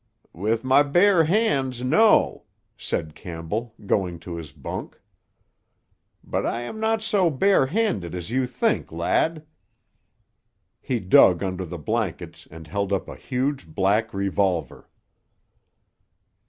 "With my bare hands, no," said Campbell, going to his bunk. "But I am not so bare handed as you think, lad." He dug under the blankets and held up a huge black revolver.